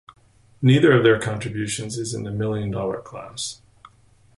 Neither of their contributions is in the million-dollar class.